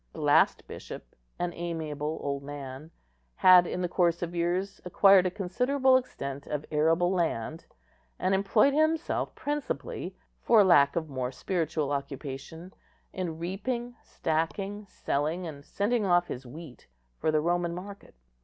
The last bishop, an amiable old man, had in the course of years acquired a considerable extent of arable land, and employed himself principally, for lack of more spiritual occupation, in reaping, stacking, selling, and sending off his wheat for the Roman market.